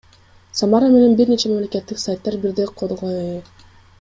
Самара менен бир нече мамлекеттик сайттар бирдей кодго ээ.